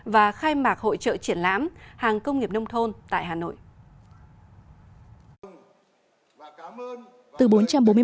và khai mạc hội trợ triển lãm hàng công nghiệp nông thôn tại hà nội